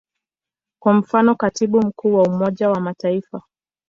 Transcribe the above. Kwa mfano, Katibu Mkuu wa Umoja wa Mataifa.